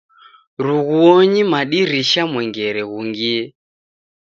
Rughuonyi madirisha mwengere ghungie.